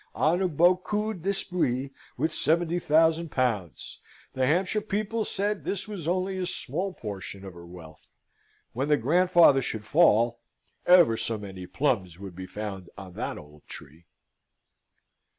On a beaucoup d'esprit with seventy thousand pounds. The Hampshire people said this was only a small portion of her wealth. When the grandfather should fall, ever so many plums would be found on that old tree.